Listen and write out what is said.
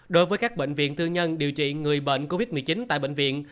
đối với các bệnh viện tư nhân điều trị người bệnh covid một mươi chín tại bệnh viện